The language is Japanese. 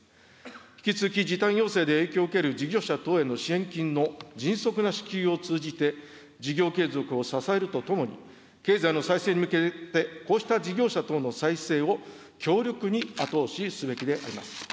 引き続き時短要請で影響を受ける事業者等への支援金の迅速な支給を通じて、事業継続を支えるとともに、経済の再生に向けて、こうした事業者等の再生を強力に後押しすべきであります。